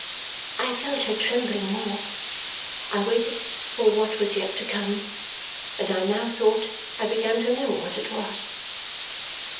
I felt her trembling more. I waited for what was yet to come, and I now thought I began to know what it was.